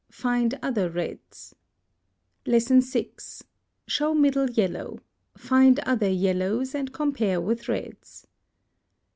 Find other reds. 6. Show MIDDLE YELLOW. Find other yellows, and compare with reds.